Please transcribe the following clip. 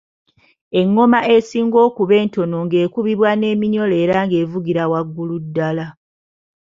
Engoma esinga okuba entono ng’ekubibwa n’eminyolo era ng’evugira waggulu ddala.